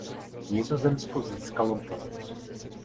Nizozemsko získalo bronz.